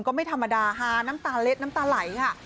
ก็ไม่ธรรมดาฮาน้ำตาเล็ดน้ำตาไหลค่ะ